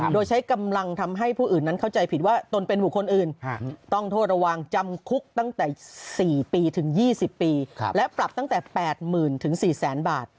โดยใช้กำลังทำให้ผู้อื่นนั้นเข้าใจผิดว่า